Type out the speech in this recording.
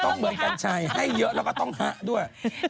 เหมือนกัญชัยให้เยอะแล้วก็ต้องฮะด้วย